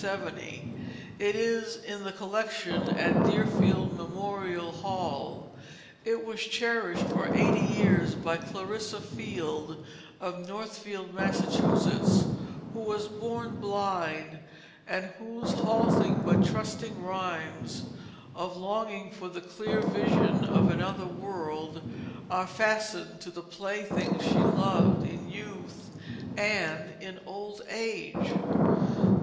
It is in the collection at Deerfield Memorial Hall. It was cherished for eighty years by Clarissa Field of Northfield, Massachusetts, who was born blind, and whose halting but trusting rhymes of longing for the clear vision of another world are fastened to the plaything she loved in youth and in old age.